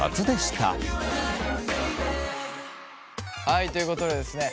はいということでですね